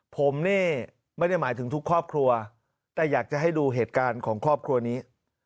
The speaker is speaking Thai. ผมนี่ไม่ได้หมายถึงทุกครอบครัวแต่อยากจะให้ดูเหตุการณ์ของครอบครัวนี้